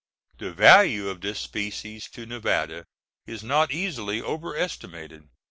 The value of this species to Nevada is not easily overestimated.